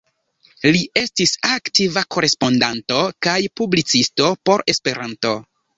Li estis aktiva korespondanto kaj publicisto por Esperanto.